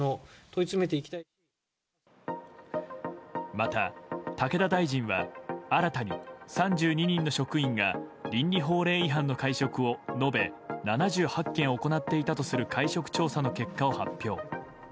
また武田大臣は新たに３２人の職員が倫理法令違反の会食を延べ７８件行っていたとする会食調査の結果を発表。